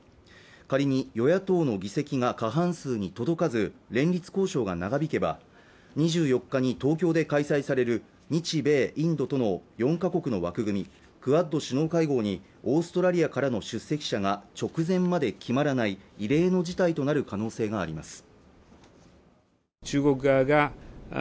仮に与野党の議席が過半数に届かず連立交渉が長引けば２４日に東京で開催される日米、インドとの４か国の枠組みクアッド首脳会合にオーストラリアからの出席者が直前まで決まらない異例の事態となる可能性があります